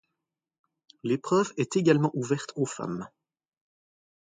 L'épreuve est également ouverte aux femmes.